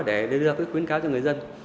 để đưa ra cái khuyến cáo cho người dân